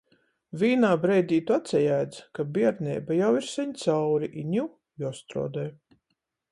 Vīnā breidī tu atsajēdz, ka bierneiba jau ir seņ cauri i niu juostruodoj.